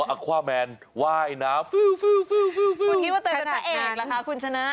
คุณคิดว่าเธอจะแหน่งหรือคะคุณชนะ